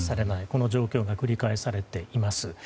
この状況が繰り返されています。